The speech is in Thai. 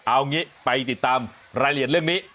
เอางี้ไปติดตามรายละเอียดเรื่องนี้